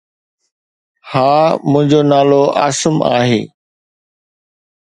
ها، منهنجو نالو عاصم آهي